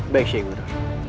baik syekh guru